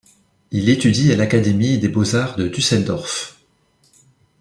Il étudie à l'académie des beaux-arts de Düsseldorf.